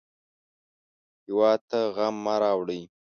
هېواد ته غم مه راوړئ